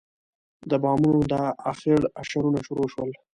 د بامونو د اخېړ اشارونه شروع شول.